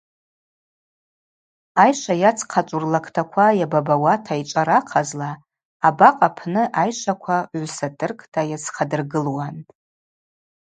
Айшва йадзхъачӏву рлактаквала йабабауата йчӏвара ахъазла абакъ апны айшваква гӏвсатыркӏта йадзхъадыргылуан.